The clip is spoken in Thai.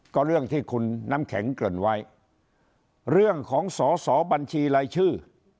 ก็เรื่องที่คุณน้ำแข็งเกริ่นไว้เรื่องของสอสอบัญชีรายชื่อ